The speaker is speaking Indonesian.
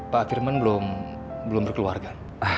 pak firman belum berkeluarga